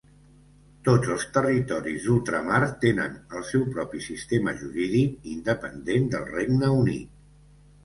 Tots els territoris d'ultramar tenen el seu propi sistema jurídic independent del Regne Unit.